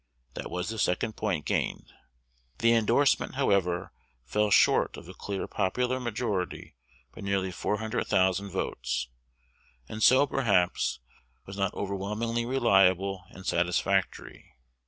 That was the second point gained. The indorsement, however, fell short of a clear popular majority by nearly four hundred thousand votes; and so, perhaps, was not overwhelmingly reliable and satisfactory.